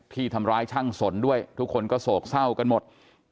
ที่ทำร้ายช่างสนด้วยทุกคนก็โศกเศร้ากันหมด